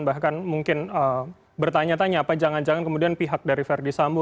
bahkan mungkin bertanya tanya apa jangan jangan kemudian pihak dari verdi sambo